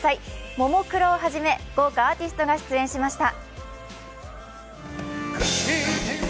ももクロをはじめ豪華アーティストが出演しました。